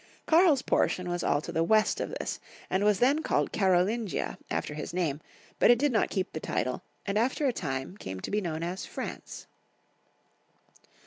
Karl's portion was all to the west of this, and was then called Karolingia, after his name, but it did not keep the title, and after a time came to be known as France.